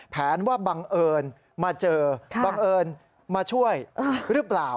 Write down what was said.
แผนว่าบังเอิญมาเจอบังเอิญมาช่วยหรือเปล่า